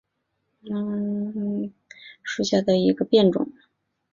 柔毛果珍珠茅为莎草科珍珠茅属下的一个变种。